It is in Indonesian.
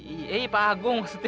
iya pak agung maksudnya